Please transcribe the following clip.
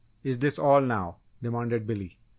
"Is this all now!" demanded Billy.